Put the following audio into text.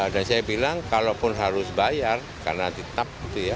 dan saya bilang kalaupun harus bayar karena tetap